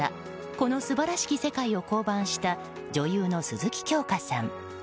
「この素晴らしき世界」を降板した女優の鈴木京香さん。